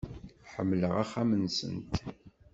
Ḥemmleɣ axxam-nsent.